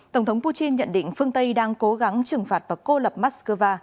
tổng thống putin nhận định phương tây đang cố gắng trừng phạt và cô lập moscow